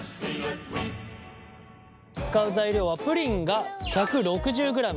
使う材料はプリンが１６０ｇ。